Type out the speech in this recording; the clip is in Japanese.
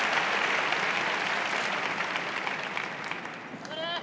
・頑張れ！